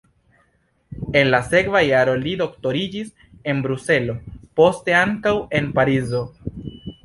En la sekva jaro li doktoriĝis en Bruselo, poste ankaŭ en Parizo.